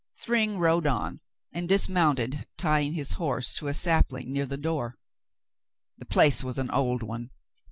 Thryng rode on and dismounted, tying his horse to a sapling near the door. The place was an old one.